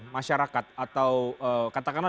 masyarakat atau katakanlah